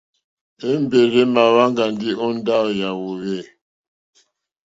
Èmbèrzà èmà wáŋgá ndí ó ndáwù yà hwòhwê.